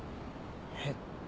えっ？